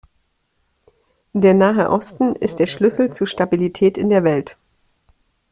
Der Nahe Osten ist der Schlüssel zu Stabilität in der Welt.